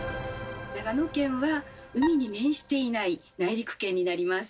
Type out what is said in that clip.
長野県は海に面していない内陸県になります。